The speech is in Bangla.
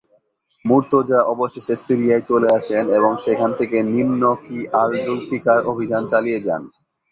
মুর্তজা অবশেষে সিরিয়ায় চলে আসেন এবং সেখান থেকে নিম্ন-কী-আল-জুলফিকার অভিযান চালিয়ে যান।